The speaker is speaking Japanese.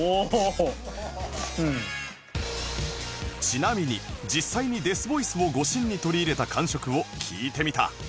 ちなみに実際にデスボイスを護身に取り入れた感触を聞いてみた